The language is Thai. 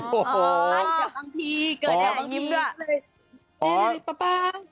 บ้านอยู่บังพีเกินไปบังพี